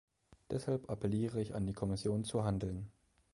Deshalb appelliere ich an die Kommission, zu handeln.